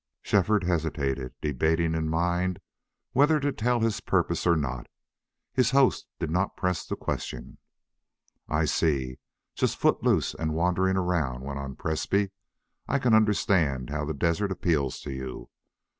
Shefford hesitated, debating in mind whether to tell his purpose or not. His host did not press the question. "I see. Just foot loose and wandering around," went on Presbrey. "I can understand how the desert appeals to you.